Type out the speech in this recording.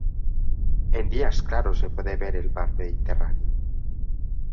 En días claros se puede ver el Mar mediterráneo.